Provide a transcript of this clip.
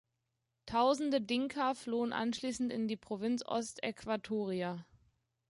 Tausende Dinka flohen anschließend in die Provinz Ost-Äquatoria.